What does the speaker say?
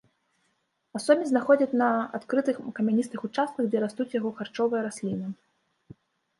Асобін знаходзяць на адкрытых камяністых участках, дзе растуць яго харчовыя расліны.